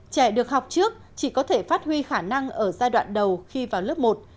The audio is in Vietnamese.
trẻ được học trước chỉ có thể phát huy khả năng ở giai đoạn đầu khi vào lớp một